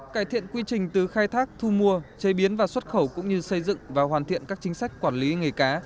cải thiện quy trình từ khai thác thu mua chế biến và xuất khẩu cũng như xây dựng và hoàn thiện các chính sách quản lý nghề cá